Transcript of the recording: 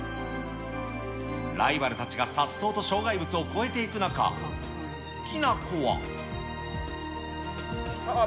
ライバルたちがさっそうと障害物を越えていく中、きな子は。